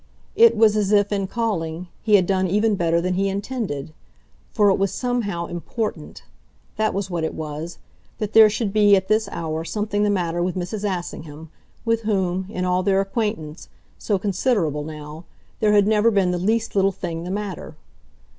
It was as if, in calling, he had done even better than he intended. For it was somehow IMPORTANT that was what it was that there should be at this hour something the matter with Mrs. Assingham, with whom, in all their acquaintance, so considerable now, there had never been the least little thing the matter.